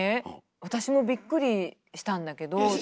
私もびっくりしたんだけど